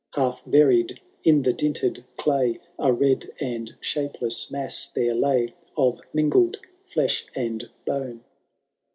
Half buried in the dinted clay, A red and shapeless mass there lay Of mingled flesh and bone